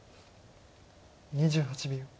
２８秒。